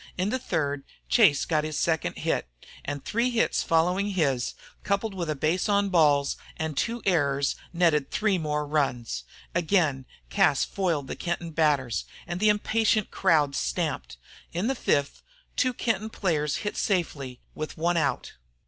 In the third Chase got his second hit, and three hits following his, coupled with a base on balls and two errors, netted three more runs. Again Cas foiled the Kenton batters, and the impatient crowd stamped. In the fifth, two Kenton players hit safely with one out.